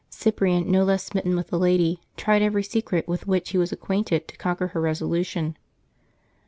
Cyprian, no less smitten with the lady, tried every secret with which he was acquainted to conquer her resolution.